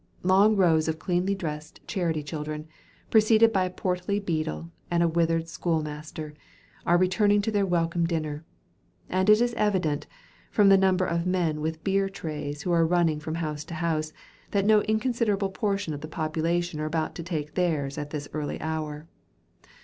Long rows of cleanly dressed charity children, preceded by a portly beadle and a withered schoolmaster, are returning to their welcome dinner; and it is evident, from the number of men with beer trays who are running from house to house, that no inconsiderable portion of the population are about to take theirs at this early hour.